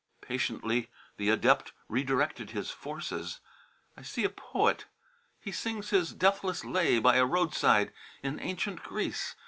Patiently the adept redirected his forces. "I see a poet. He sings his deathless lay by a roadside in ancient Greece.